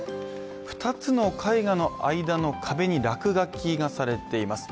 ２つの絵画の間の壁に落書きがされています。